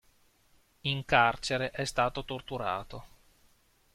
In carcere è stato torturato.